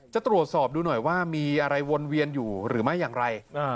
จะตรวจสอบดูหน่อยว่ามีอะไรวนเวียนอยู่หรือไม่อย่างไร